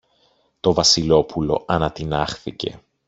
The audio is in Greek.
Το Βασιλόπουλο ανατινάχθηκε.